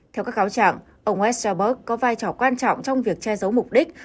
theo các kháo trạng ông westerbork có vai trò quan trọng trong việc che giấu mục đích